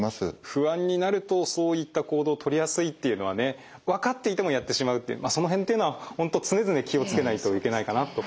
不安になるとそういった行動をとりやすいっていうのはね分かっていてもやってしまうっていうその辺っていうのは本当常々気を付けないといけないかなと思いますね。